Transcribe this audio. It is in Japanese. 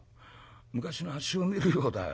昔のあっしを見るようだよ。